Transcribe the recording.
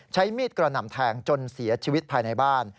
ใช้มีดกระหน่ำแทงจนเสียชีวิตภายในบ้าน